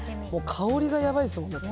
香りがやばいですもん、だって。